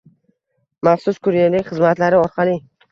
Maxsus kurerlik xizmatlari orqali